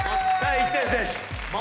１点先取。